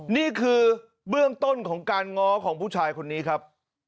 นี่คือเบื้องต้นของการง้อของผู้ชายคนนี้ครับ